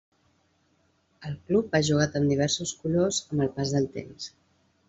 El club ha jugat amb diversos colors amb el pas del temps.